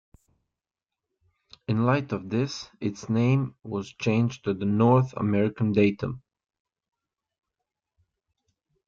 In light of this, its name was changed to the "North American Datum".